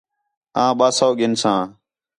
آں ٻَئہ سَو گِھنساں